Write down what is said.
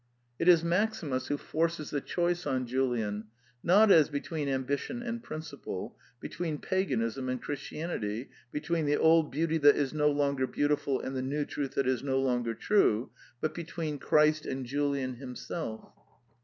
It is 7 2 The Quintessence of Ibsenism Maximus who forces the choice on Julian, not as between ambition and principle; between Pagan ism and Christianity ; between the old beauty that is no longer beautiful and the new truth that is no longer true," but between Christ and Julian himself.